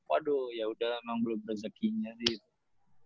waduh yaudah emang belum rezeki nya gitu